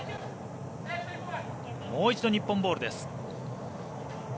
もう一度、日本ボールです。